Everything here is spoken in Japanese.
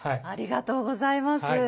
ありがとうございます。